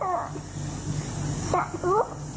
สาธุ